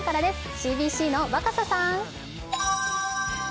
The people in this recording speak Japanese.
ＣＢＣの若狭さん。